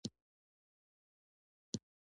چې د اکا په اولادونو کار مه لره.